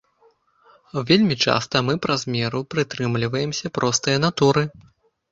Вельмі часта мы праз меру прытрымліваемся простае натуры.